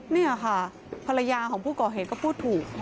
นี่ค่ะภรรยาของผู้ก่อเหตุก็พูดถูก